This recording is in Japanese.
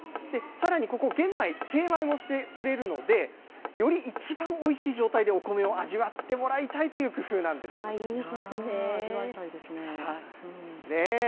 さらにここ、玄米、精米もしてくれるので、よりいちばんおいしい状態でお米を味わってもらいたい味わいたいですね。